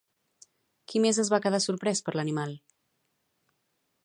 Qui més es va quedar sorprès per l'animal?